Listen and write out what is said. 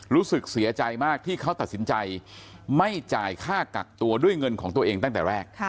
รู้สึกเสียใจมากที่เขาตัดสินใจไม่จ่ายค่ากักตัวด้วยเงินของตัวเองตั้งแต่แรก